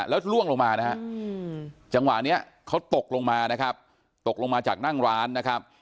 แล้วล่วงลงมานะฮะจังหวะนี้เขาตกลงมานะครับตกลงมาจากนั่งร้านนะครับ